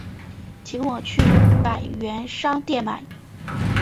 请我去百元商店买